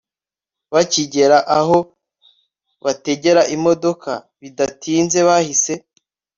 Bakigera aho bategera imodoka bidatinze bahise